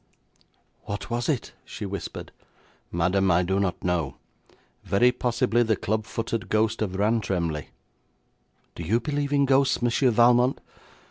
'What was it?' she whispered. 'Madam, I do not know. Very possibly the club footed ghost of Rantremly.' 'Do you believe in ghosts, Monsieur Valmont?'